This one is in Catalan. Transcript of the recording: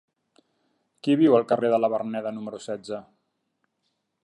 Qui viu al carrer de la Verneda número setze?